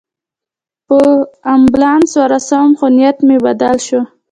په لامبو ورسوم، خو نیت مې بدل شو.